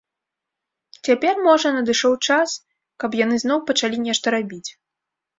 Цяпер, можа, надышоў час, каб яны зноў пачалі нешта рабіць.